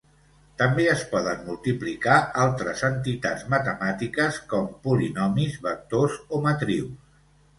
També es poden multiplicar altres entitats matemàtiques, com polinomis, vectors o matrius.